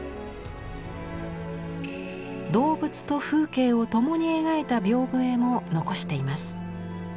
動物と風景を共に描いた屏風絵も残しています。